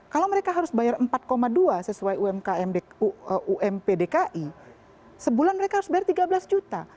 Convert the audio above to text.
kalau mereka harus bayar empat dua sesuai ump dki sebulan mereka harus bayar tiga belas juta